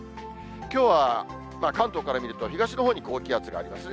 きょうは、関東から見ると、東のほうに高気圧がありますね。